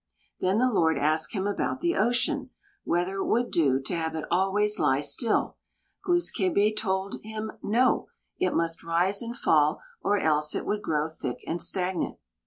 Then the Lord asked him about the ocean, whether it would do to have it always lie still. Glūs kābé told him, "No!" It must rise and fall, or else it would grow thick and stagnant.